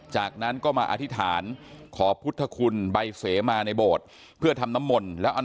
จากนั้นก็มาอธิษฐานขอพุทธคุณใบเสมาในโบสถ์เพื่อทำน้ำมนต์แล้วอัน